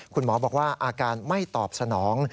คุณหมอบอกว่าอาการไม่ตอบสนอง